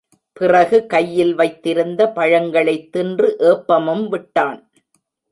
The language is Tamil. பிறகு கையில் வைத்திருந்த பழங்களைத் தின்று ஏப்பமும் விட்டான்.